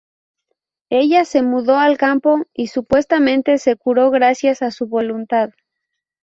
Ella se mudó al campo y supuestamente se curó gracias a su voluntad.